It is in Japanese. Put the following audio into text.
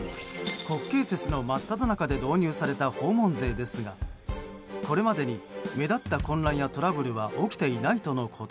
国慶節の真っただ中で導入された訪問税ですがこれまでに目立った混乱やトラブルは起きていないとのこと。